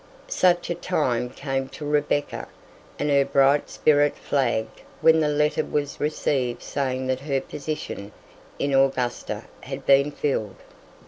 Such a time came to Rebecca, and her bright spirit flagged when the letter was received saying that her position in Augusta had been filled.